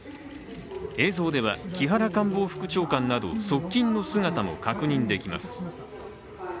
映像では、木原官房副長官など側近の姿も確認できます。